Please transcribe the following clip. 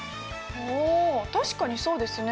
ああ確かにそうですね。